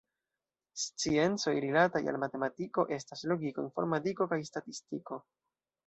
Sciencoj rilataj al matematiko estas logiko, informadiko kaj statistiko.